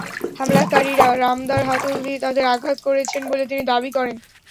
হামলাকারীরা রামদার হাতল দিয়ে তাঁদের আঘাত করেছেন বলে তিনি দাবি করেন।